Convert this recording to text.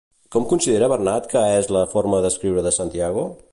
Com considera Bernat que és la forma d'escriure de Santiago?